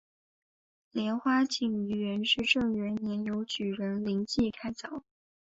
莲花井于元至正元年由举人林济开凿。